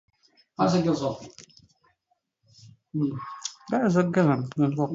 يموت الصحيح ويحيا المصاب